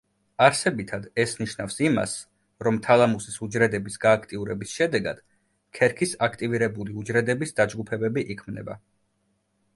არსებითად, ეს ნიშნავს იმას, რომ თალამუსის უჯრედების გააქტიურების შედეგად ქერქის აქტივირებული უჯრედების დაჯგუფებები იქმნება.